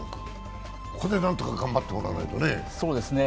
ここで何とか頑張ってもらわないとね。